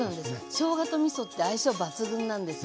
しょうがとみそって相性抜群なんですね。